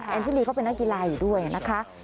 ชิลีก็เป็นนักกีฬาอยู่ด้วยนะคะ